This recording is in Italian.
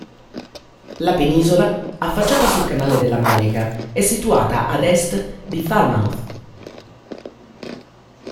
La penisola, affacciata sul canale della Manica, è situata ad est di Falmouth.